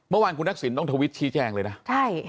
เมื่อวานคุณทักษิณต้องทวิตชี้แจงเลยนะใช่